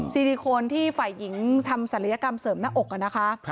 ซิลิโคนที่ฝ่ายหญิงทำศัลยกรรมเสริมหน้าอกนะคะ